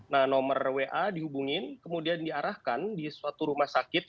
nah nomor wa dihubungin kemudian diarahkan di suatu rumah sakit